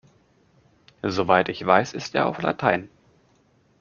Soweit ich weiß ist er auf Latein.